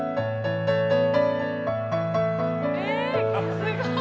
えぇすごい。